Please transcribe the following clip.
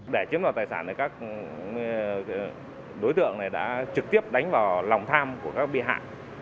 để chiếm đoạt tài sản các đối tượng đã trực tiếp đánh vào lòng tham của các bị hại